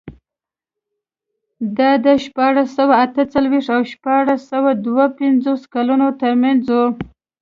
دا د شپاړس سوه اته څلوېښت او شپاړس سوه دوه پنځوس کلونو ترمنځ و.